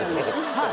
はい。